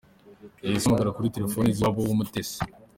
Yahise ahamagara kuri telefoni z’iwabo w’Umutesi.